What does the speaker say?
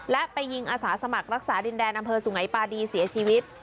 และไปยิงอาสาสมัครรักษาดินแดนอำเภอสุงัยปาดีเสียชีวิต